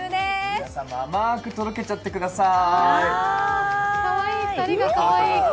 皆さんもあまくとろけちゃってください。